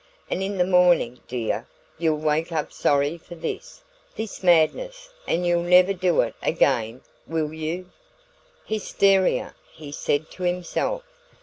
And in the morning, dear, you'll wake up sorry for this this madness, and you'll never do it again, will you?" "Hysteria," he said to himself.